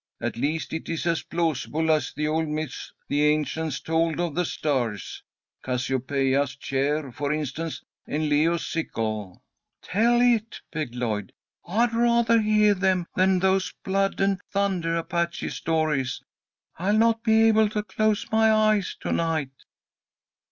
At least it is as plausible as the old myths the ancients told of the stars, Cassiopeia's chair, for instance, and Leo's sickle." "Tell it," begged Lloyd. "I'd rathah heah them than those blood and thundah Apache stories. I'll not be able to close my eyes to night."